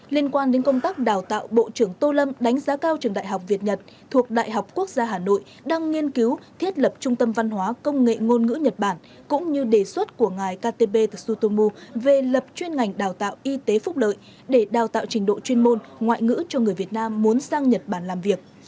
liên quan đến công tác đào tạo bộ trưởng tô lâm đánh giá cao trường đại học việt nhật thuộc đại học quốc gia hà nội đang nghiên cứu thiết lập trung tâm văn hóa công nghệ ngôn ngữ nhật bản cũng như đề xuất của ngài takebe tsutomu về lập chuyên ngành đào tạo y tế phúc lợi để đào tạo trình độ chuyên môn ngoại ngữ cho người việt nam muốn sang nhật bản làm việc